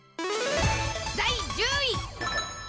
第１０位。